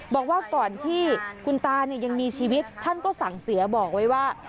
บอกว่าก่อนที่คุณตายังมีชีวิตท่านก็สั่งเสียบอกไว้ว่า